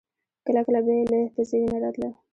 کله کله به يې له پزې وينه راتله.